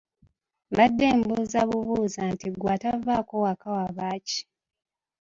Mbadde mbuuza bubuuza nti ggwe atavaako waka wabaaki?